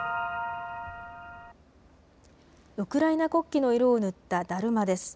ウクライナ国旗の色を塗っただるまです。